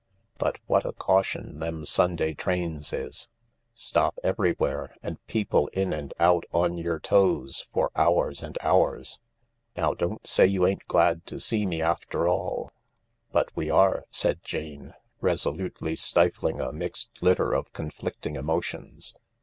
But what a caution them Sunday trains is — stop everywhere and people in and out on yer toes for hours and hours. Now don't say you ain't glad to see me after all." THE LARK 183 " But we are," said Jane, resolutely stifling a mixed litter of conflicting emotions.